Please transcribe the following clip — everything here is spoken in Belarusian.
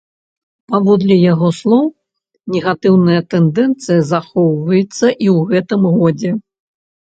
Паводле яго слоў, негатыўная тэндэнцыя захоўваецца і ў гэтым годзе.